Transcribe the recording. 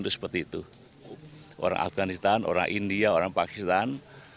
jadi seperti itu orang afganistan orang india orang pakistan